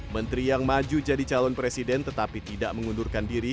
menteri yang maju jadi calon presiden tetapi tidak mengundurkan diri